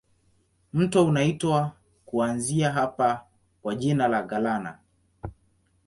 Mto unaitwa kuanzia hapa kwa jina la Galana.